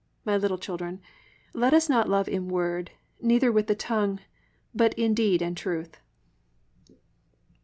(18) My little children, let us not love in word, neither with the tongue; but in deed and truth."